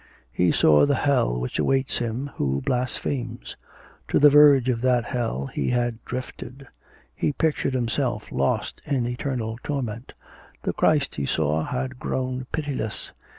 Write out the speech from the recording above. He saw the Hell which awaits him who blasphemes. To the verge of that Hell he had drifted.... He pictured himself lost in eternal torment. The Christ he saw had grown pitiless.